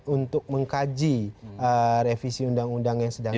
untuk mengkaji revisi undang undang terorisme ini